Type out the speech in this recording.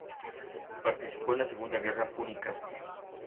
Participó en la segunda guerra púnica.